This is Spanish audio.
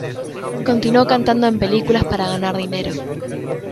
Continuó cantando en películas para ganar dinero.